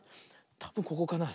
たぶんここかな。